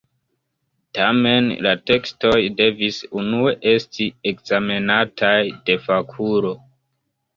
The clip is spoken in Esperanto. Tamen la tekstoj devis unue esti ekzamenataj de fakulo.